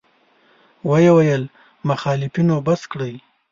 ویې ویل: مخالفتونه بس کړئ.